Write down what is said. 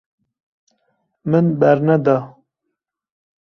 Min berneda.